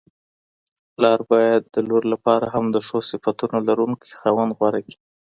پلار بايد د لور لپاره هم د ښو صفتونو لرونکی خاوند غوره کړي!